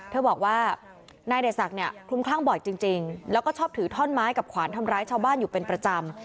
เธอบอกว่านายเดชศักดิ์เนี่ยคลุมคลั่งบ่อยจริงแล้วก็ชอบถือท่อนไม้กับขวานทำร้ายชาวบ้านอยู่เป็นประจำ